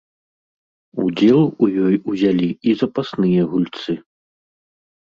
Удзел у ёй узялі і запасныя гульцы.